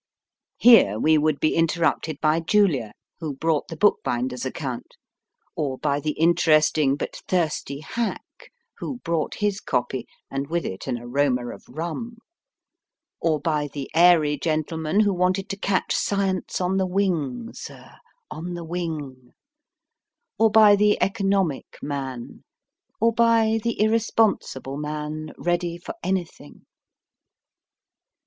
Here we would be A BOOK PLATE interrupted by Julia, who brought the bookbinder s account ; or by the interesting but thirsty hack, who brought his copy, and with it an aroma of rum ; or by the airy gentleman who w r anted to catch science on the Wing, sir on the Wing ; or by the Economic man ; or by the irresponsible man, ready for anything.